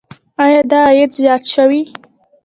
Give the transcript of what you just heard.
آیا دا عاید زیات شوی؟